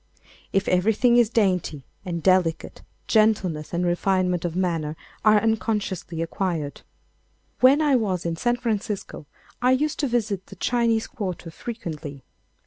If everything is dainty and delicate, gentleness and refinement of manner are unconsciously acquired. When I was in San Francisco I used to visit the Chinese Quarter frequently.